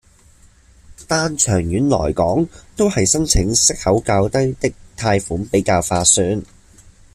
但長遠來講，都係申請息口較低的貸款比較划算